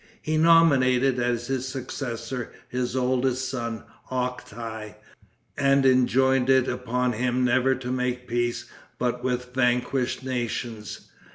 He nominated as his successor his oldest son Octai, and enjoined it upon him never to make peace but with vanquished nations.